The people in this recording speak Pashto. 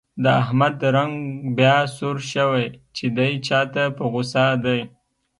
د احمد رنګ بیا سور شوی، چې دی چا ته په غوسه دی.